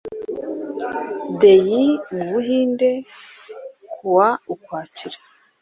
Delhi mu Buhindi kuwa ukwakira